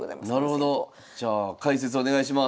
じゃあ解説お願いします。